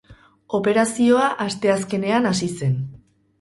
Operazioa asteazkenean hasi zen.